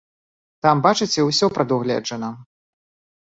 Там, бачыце, усё прадугледжана.